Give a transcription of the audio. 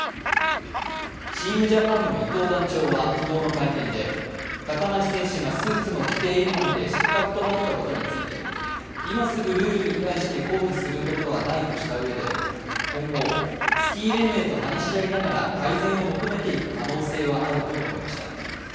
チームジャパンの伊東団長は昨日の会見で、高梨選手がスーツの規定違反で失格となったことについて今すぐルールに対して抗議することはないとしたうえで今後、スキー連盟と話し合いながら改善を求めていく可能性はあると述べました。